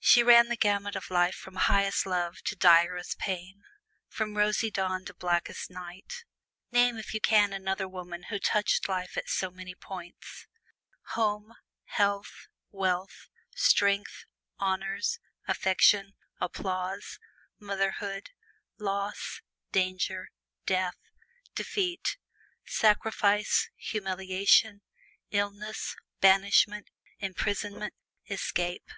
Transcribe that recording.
She ran the gamut of life from highest love to direst pain from rosy dawn to blackest night. Name if you can another woman who touched life at so many points! Home, health, wealth, strength, honors, affection, applause, motherhood, loss, danger, death, defeat, sacrifice, humiliation, illness, banishment, imprisonment, escape.